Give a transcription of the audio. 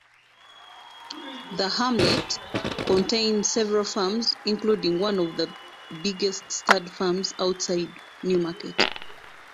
The hamlet contains several farms, including one of the biggest stud farms outside Newmarket.